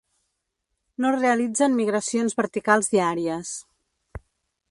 No realitzen migracions verticals diàries.